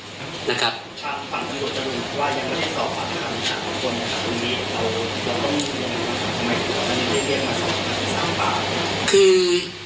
ทำไมพิรุธจะไม่มีว่ายังใดต่อหลักฐานสื่อ